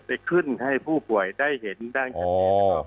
ไปขึ้นให้ผู้ป่วยได้เห็นด้านคดี